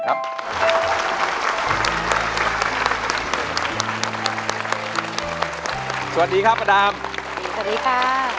สวัสดีครับป้าดำ